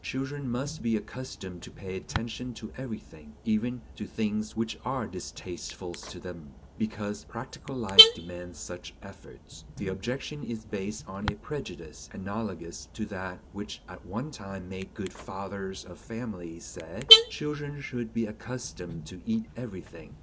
Children must be accustomed to pay attention to everything, even to things which are distasteful to them, because practical life demands such efforts. The objection is based on a prejudice analogous to that which at one time made good fathers of families say: "Children should be accustomed to eat everything."